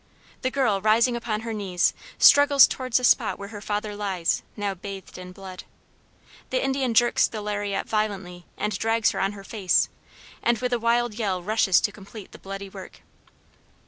The girl, rising upon her knees, struggles towards the spot where her father lies, now bathed in blood. The Indian jerks the lariat violently and drags her on her face, and with a wild yell rushes to complete the bloody work.